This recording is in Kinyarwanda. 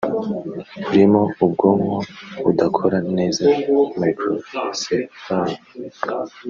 urimo ubwonko budakora neza “Microcephaly”